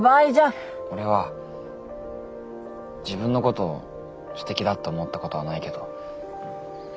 俺は自分のことをすてきだって思ったことはないけど。